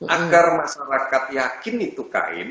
agar masyarakat yakin itu kain